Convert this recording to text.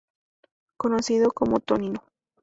Conocido como Tonino.